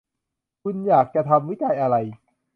คุณอยากจะทำวิจัยอะไร